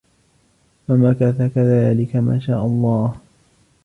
فَمَكَثَ كَذَلِكَ مَا شَاءَ اللَّهُ